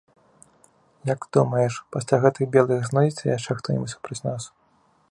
Як ты думаеш, пасля гэтых белых знойдзецца яшчэ хто-небудзь супроць нас?